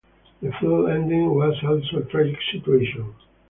The film ending was also a tragic situation.